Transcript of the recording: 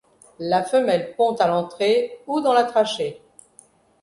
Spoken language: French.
La femelle pond à l’entrée ou dans la trachée.